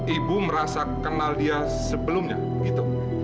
ibu merasa kenal dia sebelumnya gitu